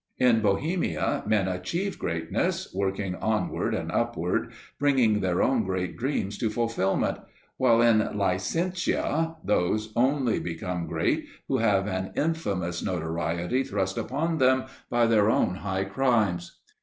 In Bohemia men achieve greatness, working onward and upward, bringing their own great dreams to fulfillment; while in Licentia, those only become great who have an infamous notoriety thrust upon them by their own high crimes.